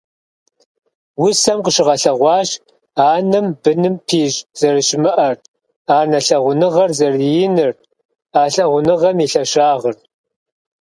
Усэм къыщыгъэлъэгъуащ анэм быным пищӀ зэрыщымыӀэр, анэ лъагъуныгъэр зэрыиныр, а лъагъуныгъэм и лъэщагъыр.